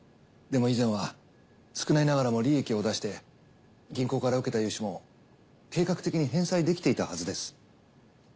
でも以前は少ないながらも利益を出して銀行から受けた融資も計画的に返済できていたはずです。